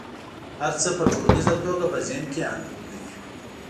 هر څه په ټوليزه توګه په ذهن کې انځور کوي.